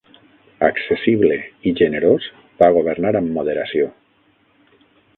Accessible i generós, va governar amb moderació.